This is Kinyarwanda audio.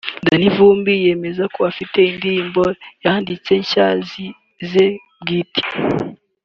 Danny Vumbi yemeje ko afite indirimbo yanditse nshya ze bwite